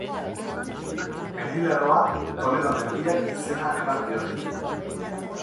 Mendilerroa Toledo Mendiak izena eman diote.